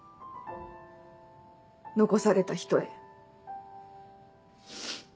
残された人へ。